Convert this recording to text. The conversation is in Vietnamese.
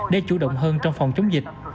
để chủ động hơn trong phòng chống dịch